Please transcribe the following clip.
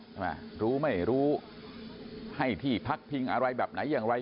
รู้ไม่รู้ให้ที่พักพิงอะไรแบบไหนอย่างไร